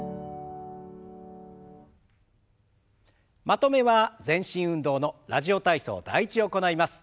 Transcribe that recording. まとめは全身運動の「ラジオ体操第１」を行います。